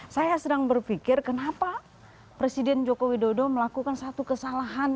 saya sedang berpikir kenapa presiden joko widodo melakukan satu kesalahan